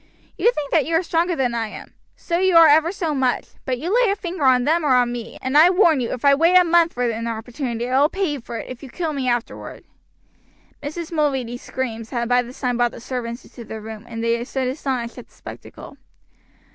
You think that you are stronger than I am so you are ever so much; but you lay a finger on them or on me, and I warn you, if I wait a month for an opportunity I will pay you for it, if you kill me afterward." Mrs. Mulready's screams had by this time brought the servants into the room, and they stood astonished at the spectacle.